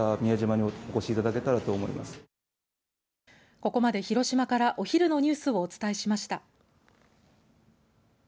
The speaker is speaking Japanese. ここまで広島からお昼のニュースをお伝えしました。